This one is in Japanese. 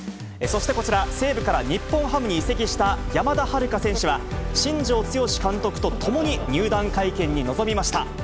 そしてこちら、西武から日本ハムに移籍した山田遥楓選手は、新庄剛志監督と共に入団会見に臨みました。